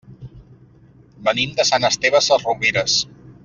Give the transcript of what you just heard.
Venim de Sant Esteve Sesrovires.